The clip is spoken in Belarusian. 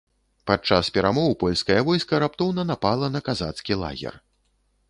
Падчас перамоў польскае войска раптоўна напала на казацкі лагер.